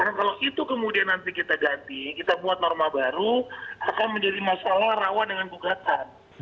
karena kalau itu kemudian nanti kita ganti kita buat norma baru akan menjadi masalah rawan dengan gugatan